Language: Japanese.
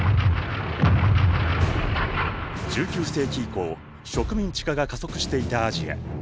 １９世紀以降植民地化が加速していたアジア。